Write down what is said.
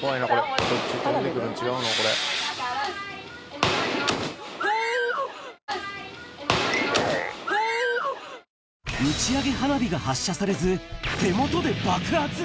怖いな、これ、打ち上げ花火が発射されず、手元で爆発。